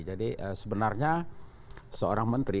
jadi sebenarnya seorang menteri